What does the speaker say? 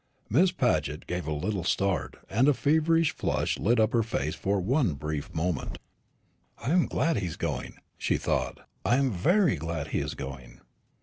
Miss Paget gave a little start, and a feverish flush lit up her face for one brief moment. "I am glad he is going," she thought; "I am very glad he is going."